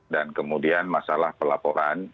dan kemudian masalah pelaporan